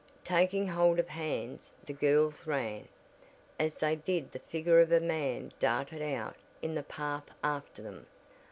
Taking hold of hands the girls ran. As they did the figure of a man darted out in the path after them.